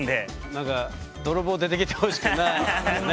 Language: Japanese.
なんか泥棒出てきてほしくないもんね。